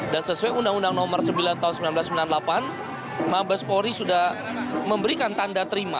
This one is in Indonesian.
dan sesuai undang undang nomor sembilan tahun seribu sembilan ratus sembilan puluh delapan mabespori sudah memberikan tanda terima